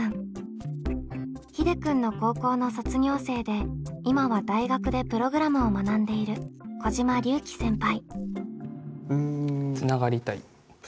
ひでくんの高校の卒業生で今は大学でプログラムを学んでいる小嶋龍輝先輩。